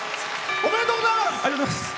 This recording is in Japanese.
ありがとうございます。